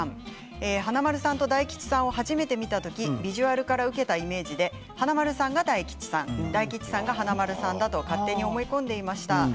華丸さんと大吉さんを始めて見た時ビジュアルから受けたイメージで華丸さんが大吉さん大吉さんが華丸さんだと勝手に思い込んでいました。